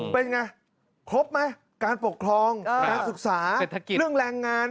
เป็นไงครบไหมการปกครองการศึกษาเรื่องแรงงาน